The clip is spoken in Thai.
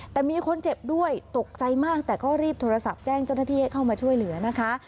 แต่มีคนเจ็บด้วยตกใจมากแต่ก็รีบโทรศัพท์แจ้งเจ้าหน้าที่ให้เข้ามาช่วยเหลือนะคะ